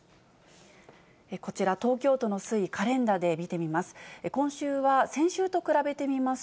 こちら、東京都の推移、カレンダーで見てみます。